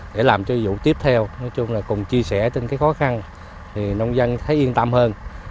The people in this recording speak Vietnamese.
để làm cho vụ tiếp theo nói chung là cùng chia sẻ trên cái khó khăn thì nông dân thấy yên tâm hơn